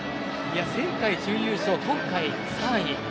前回準優勝、今回３位。